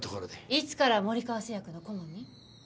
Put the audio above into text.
いつから森川製薬の顧問に？